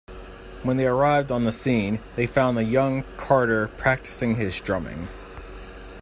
When they arrived on the scene, they found the young Carter practicing his drumming.